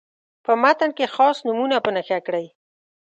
په متن کې خاص نومونه په نښه کړئ.